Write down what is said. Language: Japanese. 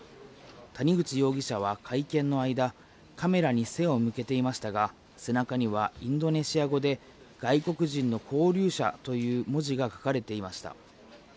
谷口容疑者は会見の間、カメラに背を向けていましたが、背中には、インドネシア語で外国人の勾留者という文字が書かれていました。